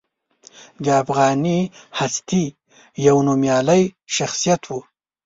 د افغاني هستې یو نومیالی شخصیت و.